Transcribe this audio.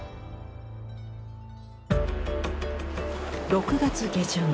６月下旬。